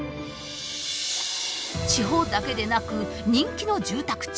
地方だけでなく人気の住宅地